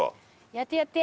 やってやって。